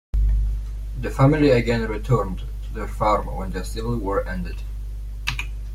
The family again returned to their farm when the Civil War ended.